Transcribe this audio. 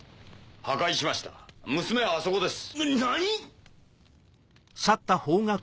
破壊しました娘はあそこです。